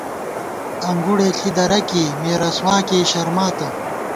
انگُڑے ݪی درہ کېئ، مےرسواکېئ شرماتہ